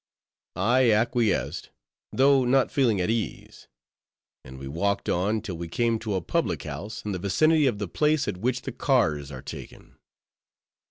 I acquiesced, though not feeling at ease; and we walked on, till we came to a public house, in the vicinity of the place at which the cars are taken.